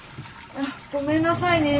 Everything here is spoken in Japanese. あっごめんなさいね。